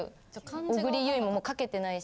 小栗有以も書けてないし。